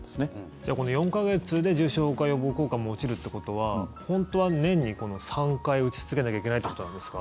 じゃあ、この４か月で重症化予防効果も落ちるっていうことは本当は年に３回打ち続けなきゃいけないということなんですか。